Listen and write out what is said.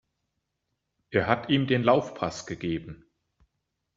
Er hat ihm den Laufpass gegeben.